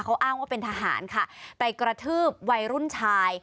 เขาอ้างว่าเป็นทหารค่ะไปกระทืบวัยรุ่นชาย